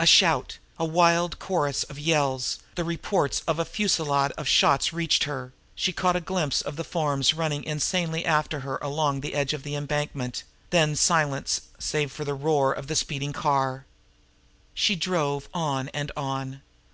A shout, a wild chorus of yells, the reports of a fusillade of shots reached her; she caught a glimpse of forms running insanely after her along the edge of the embankment then silence save for the roar of the speeding car. She drove on and on.